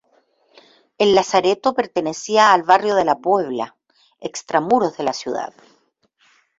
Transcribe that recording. El lazareto pertenecía al barrio de la Puebla, extramuros de la ciudad.